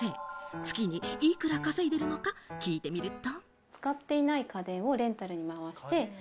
月にいくら稼いでいるのか聞いてみると。